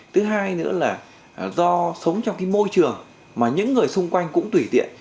thứ hai nữa là do sống trong cái môi trường mà những người xung quanh cũng tùy tiện